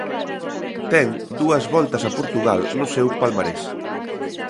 Ten dúas Voltas a Portugal no seu palmarés.